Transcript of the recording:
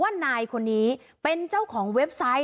นายคนนี้เป็นเจ้าของเว็บไซต์